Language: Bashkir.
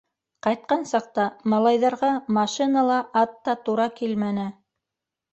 Ҡайтҡан саҡта малайҙарға машина ла, ат та тура килмәне.